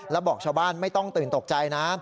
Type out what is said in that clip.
แล้วบอกชาวบ้านไม่ต้องตื่นตกใจนะ